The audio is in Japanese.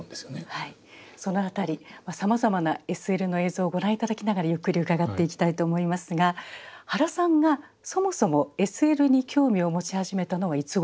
その辺りさまざまなＳＬの映像をご覧頂きながらゆっくり伺っていきたいと思いますが原さんがそもそもＳＬに興味を持ち始めたのはいつごろでいらっしゃいますか？